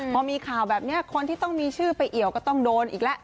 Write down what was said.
พอมีข่าวแบบนี้คนที่ต้องมีชื่อไปเอี่ยวก็ต้องโดนอีกแล้ว